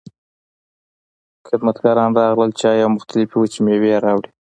خدمتګاران راغلل، چای او مختلفې وچې مېوې يې راوړې.